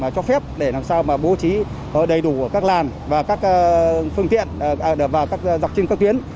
cho phép để làm sao mà bố trí đầy đủ các làn và các phương tiện vào dọc trên các tuyến